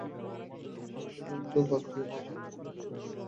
নিজ পছন্দ বাদ দিয়ে মা-বাবার পছন্দের বিষয়টাই অবশেষে বেছে নিলেন বিশ্ববিদ্যালয়জীবনে।